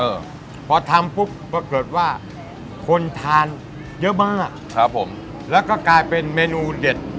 เออพอทำปุ๊บปรากฏว่าคนทานเยอะมากครับผมแล้วก็กลายเป็นเมนูเด็ด